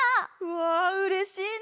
わうれしいな！